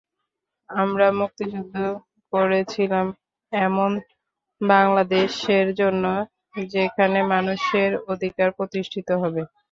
আমরা মুক্তিযুদ্ধ করেছিলাম এমন বাংলাদেশের জন্য, যেখানে মানুষের অধিকার প্রতিষ্ঠিত হবে।